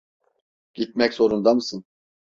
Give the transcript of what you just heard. Gitmek zorunda mısın?